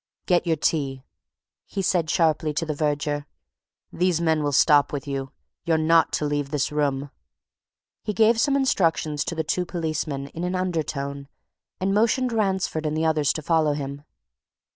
"Get your tea," he said sharply to the verger. "These men will stop with you you're not to leave this room." He gave some instructions to the two policemen in an undertone and motioned Ransford and the others to follow him.